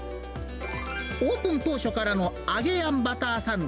オープン当初からのあげあんバターサンド！